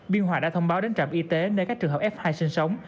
biên hòa đã thông báo đến trạm y tế nơi các trường hợp f hai sinh sống